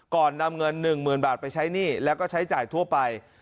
ก่อนนำเงิน๑๐๐๐บาทไปใช้หนี้แล้วก็ใช้จ่ายทั่วไป